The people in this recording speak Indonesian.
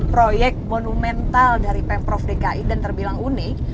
proyek monumental dari pemprov dki dan terbilang unik